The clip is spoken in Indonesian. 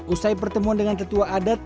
usai pertemuan dengan tetua adat